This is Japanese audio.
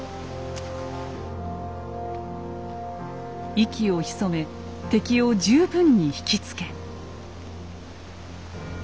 息を潜め敵を十分に引き付け。